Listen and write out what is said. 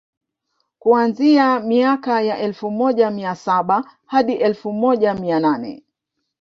kuanzia miaka ya elfu moja mia saba hadi elfu moja mia nane